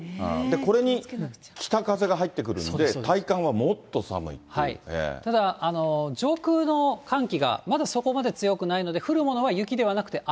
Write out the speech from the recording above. これに北風が入ってくるんで、ただ、上空の寒気が、まだそこまで強くないので、降るものは雪ではなくて雨。